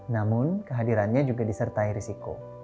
namun kehadirannya juga disertai risiko